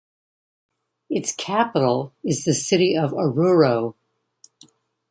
Its capital is the city of Oruro.